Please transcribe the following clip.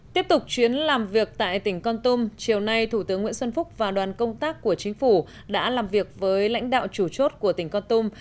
tiếp tục chuyến làm việc tại tỉnh con tum chiều nay thủ tướng nguyễn xuân phúc và đoàn công tác của chính phủ đã làm việc với lãnh đạo chủ chốt của tỉnh con tum